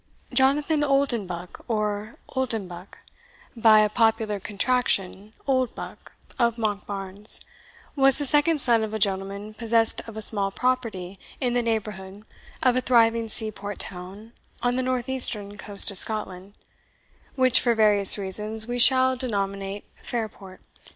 Jonathan Oldenbuck, or Oldinbuck, by popular contraction Oldbuck, of Monkbarns, was the second son of a gentleman possessed of a small property in the neighbourhood of a thriving seaport town on the north eastern coast of Scotland, which, for various reasons, we shall denominate Fairport.